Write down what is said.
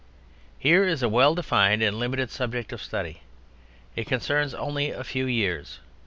Here is a well defined and limited subject of study. It concerns only a few years.